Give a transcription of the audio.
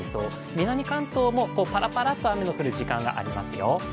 南関東もパラパラッと雨の降る時間があります。